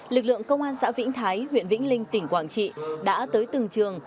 lực lượng công an xã vĩnh thái huyện vĩnh linh tỉnh quảng trị đã tới từng trường